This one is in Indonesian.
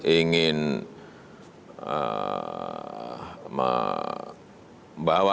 ingin mengganti negara